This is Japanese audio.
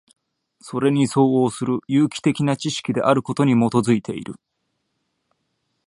それに相応する有機的な知識であることに基いている。